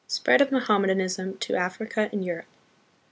Spread of Mohammedanism to Africa and Europe.